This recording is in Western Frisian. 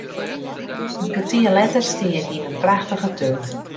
In kertier letter stie ik yn in prachtige tún.